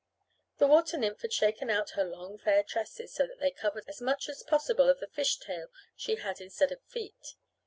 The water nymph had shaken out her long fair tresses so that they covered as much as possible of the fishtail she had instead of feet.